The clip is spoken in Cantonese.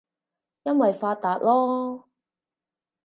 因爲發達囉